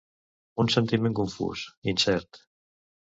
Un sentiment confús, incert.